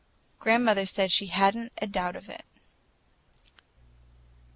Grandmother said she had n't a doubt of it.